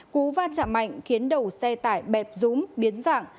cú va chạm mạnh khiến đầu xe tải bẹp rúm biến dạng